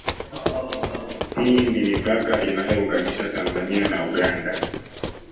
Hii ni mipaka inayoiunganisha Tanzania na Uganda